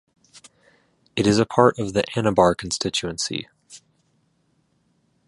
It is a part of the Anabar Constituency.